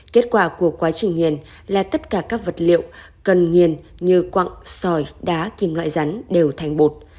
kết quả của quá trình hiền là tất cả các vật liệu cần nghiền như quặng sòi đá kim loại rắn đều thành bột